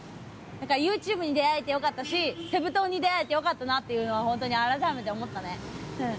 ＹｏｕＴｕｂｅに出合えてよかったしセブ島に出合えてよかったなっていうのはホントに改めて思ったね。